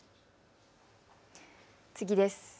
次です。